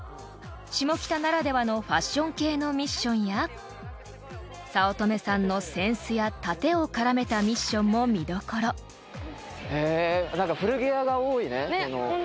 ［下北ならではのファッション系のミッションや早乙女さんの扇子や殺陣をからめたミッションも見どころ］へえ古着屋が多いね下北は。